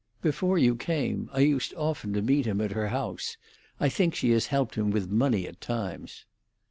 Before you came I used often to meet him at her house. I think she has helped him with money at times."